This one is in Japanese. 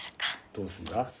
どうすんだ？